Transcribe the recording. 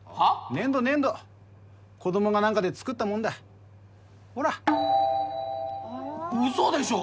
粘土粘土子供が何かで作ったもんだほらウソでしょ！？